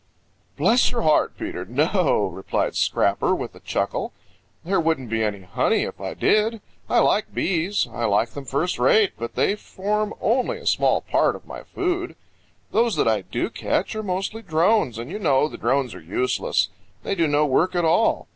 "Bless your heart, Peter, no," replied Scrapper with a chuckle. "There wouldn't be any honey if I did. I like bees. I like them first rate. But they form only a very small part of my food. Those that I do catch are mostly drones, and you know the drones are useless. They do no work at all.